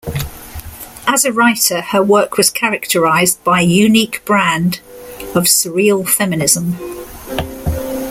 As a writer her work was characterized by unique brand of surreal feminism.